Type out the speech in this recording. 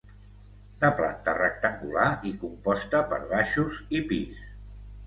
De planta rectangular i composta per baixos i pis.